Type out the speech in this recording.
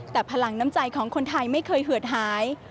แต่พลังน้ำใจของคนไทยไม่เคยเหือดหาย